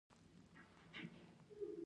ډېر زیات مُلایان اعدام کړل.